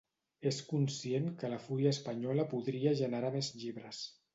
és conscient que la fúria espanyola podria generar més llibres